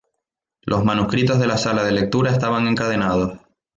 Los manuscritos de la sala de lectura estaban encadenados.